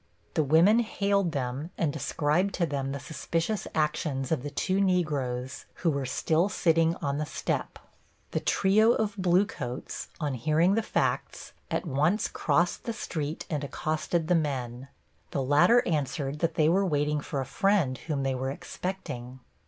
The women hailed them and described to them the suspicious actions of the two Negroes, who were still sitting on the step. The trio of bluecoats, on hearing the facts, at once crossed the street and accosted the men. The latter answered that they were waiting for a friend whom they were expecting.